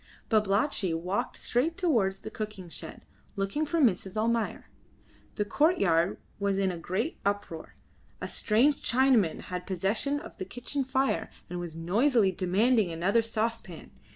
Babalatchi walked straight towards the cooking shed looking for Mrs. Almayer. The courtyard was in a great uproar. A strange Chinaman had possession of the kitchen fire and was noisily demanding another saucepan.